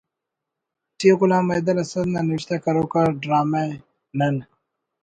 ٹی غلام حیدر حسرت نا نوشتہ کروک آ ڈرامہ ”نن